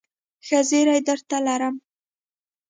ښه زېری درته لرم ..